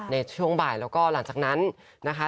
ในช่วงบ่ายแล้วก็หลังจากนั้นนะคะ